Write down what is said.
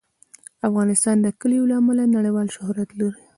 افغانستان د کلیو له امله نړیوال شهرت لري.